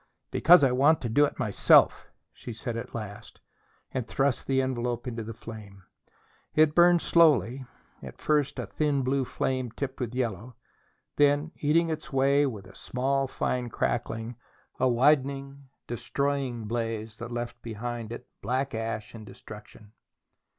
"Because I want to do it myself," she said at last, and thrust the envelope into the flame. It burned slowly, at first a thin blue flame tipped with yellow, then, eating its way with a small fine crackling, a widening, destroying blaze that left behind it black ash and destruction.